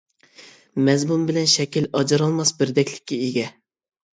مەزمۇن بىلەن شەكىل ئاجرالماس بىردەكلىككە ئىگە.